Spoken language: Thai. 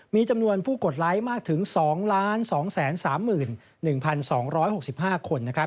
มีจำนวนผู้กดไลค์มากถึง๒๒๓๑๒๖๕คน